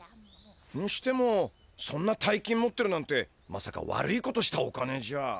にしてもそんな大金持ってるなんてまさか悪いことしたお金じゃ。